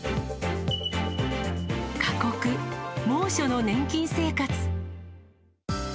過酷、猛暑の年金生活。